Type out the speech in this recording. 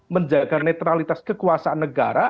menjaga netralitas kekuasaan negara